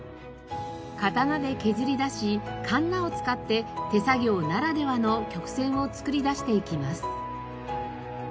刀で削り出しカンナを使って手作業ならではの曲線を作り出していきます。